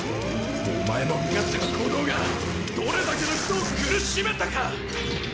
お前の身勝手な行動がどれだけの人を苦しめたか！